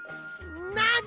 なに？